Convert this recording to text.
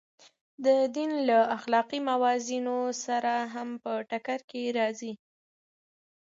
د دین له اخلاقي موازینو سره هم په ټکر کې راځي.